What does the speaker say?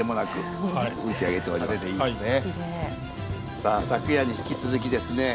さあ昨夜に引き続きですね